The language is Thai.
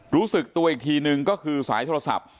รู้สึกตัวอีกทีนึงก็คือสายโทรศัพท์